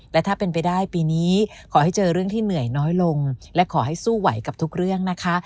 และถ้าเป็นไปได้ปีนี้ขอให้เจอเรื่องที่เหนื่อยน้อยลงและขอให้สู้ไหวกับทุกเรื่องนะคะ